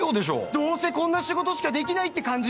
どうせこんな仕事しかできないって感じ？